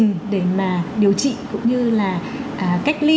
cũng như giải quyết những cái lộ trình để mà điều trị cũng như là cách ly